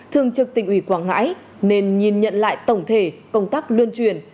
thường trực tỉnh ủy quảng ngãi nên nhìn nhận lại tổng thể công tác luân truyền